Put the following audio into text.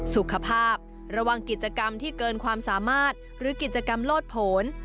สุขภาพระวังกิจกรรมที่เกินความสามารถหรือกิจกรรมโลดผล